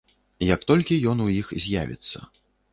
Як толькі ён у іх з'явіцца.